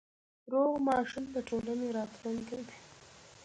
روغ ماشوم د ټولنې راتلونکی دی۔